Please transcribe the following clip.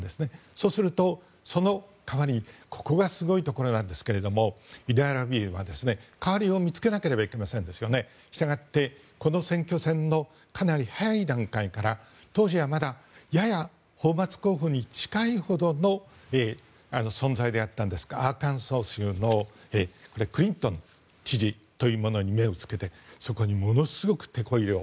そうすると、その代わりにここがすごいところですけどユダヤロビーは代わりを見つけなければいけませんのでしたがってこの選挙戦の早い段階から当時はやや泡まつ候補に近いほどの存在であったんですがアーカンソー州のクリントン知事に目をつけてそこにものすごく、てこ入れを。